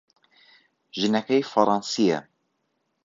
ژنەکەی فەڕەنسییە.